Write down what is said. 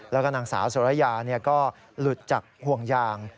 แล้วก็นางสาวสุรยาก็หลุดจากห่วงยาง